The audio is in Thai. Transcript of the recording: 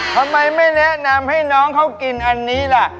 ทำไมไม่แนะนำให้น้องเขากินอันนี้ล่ะ